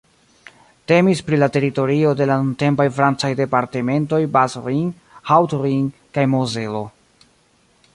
Temis pri la teritorio de la nuntempaj francaj departementoj Bas-Rhin, Haut-Rhin kaj Mozelo.